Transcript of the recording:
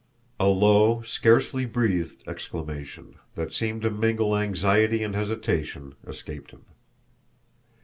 A low, scarcely breathed exclamation, that seemed to mingle anxiety and hesitation, escaped him.